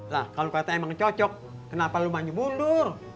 lah kalau kata emang cocok kenapa lu maju mundur